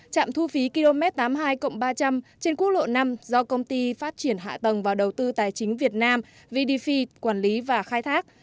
trạm thu phí km tám mươi hai ba trăm linh trên quốc lộ năm do công ty phát triển hạ tầng và đầu tư tài chính việt nam vdf quản lý và khai thác